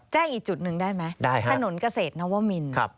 อีกจุดหนึ่งได้ไหมถนนเกษตรนวมิน